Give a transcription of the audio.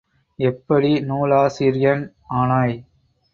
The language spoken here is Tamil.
எப்படி நூலாசிரியன் ஆனாய்?